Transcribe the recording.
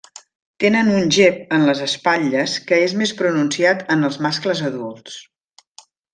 Tenen un gep en les espatlles que és més pronunciat en els mascles adults.